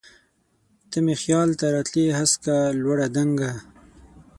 ته مي خیال ته راتلی هسکه، لوړه، دنګه